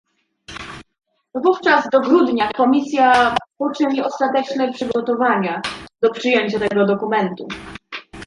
Wówczas do grudnia Komisja poczyni ostateczne przygotowania do przyjęcia tego dokumentu